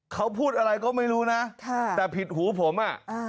เขาพูดอะไรก็ไม่รู้นะแต่ผิดหูผมอ่ะ